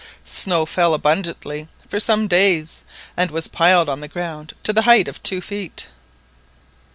Snow fell abundantly for some days, and was piled up on the ground to the height of two feet.